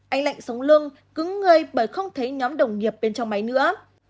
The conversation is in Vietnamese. anh lạnh sống lưng cứng ngơi bởi không thấy nhóm đồng nghiệp bên trong máy nữa